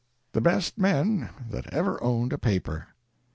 The best men that ever owned a paper."